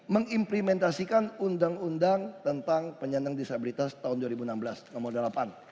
mengimplementasikan undang undang tentang penyandang disabilitas tahun dua ribu enam belas nomor delapan